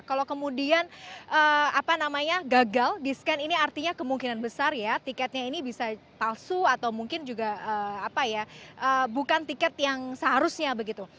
kalau kemudian gagal di scan ini artinya kemungkinan besar ya tiketnya ini bisa palsu atau mungkin juga apa ya bukan tiket yang seharusnya begitu